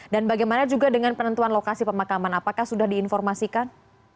dan bagaimana juga dengan penentuan lokasi pemakaman apakah sudah diinformasikan